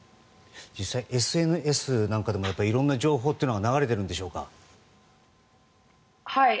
実際、ＳＮＳなんかでもいろいろな情報は流れているんでしょうか。